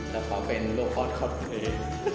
แต่เปาเป็นลูกพอร์ตคอลดเว้ย